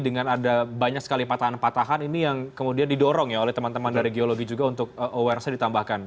dengan ada banyak sekali patahan patahan ini yang kemudian didorong ya oleh teman teman dari geologi juga untuk aware nya ditambahkan